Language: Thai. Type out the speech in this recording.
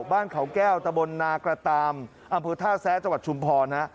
บ้านเขาแก้วตะบนนากระตามอำเภอท่าแซชชมพล